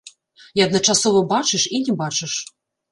І адначасова бачыш, і не бачыш.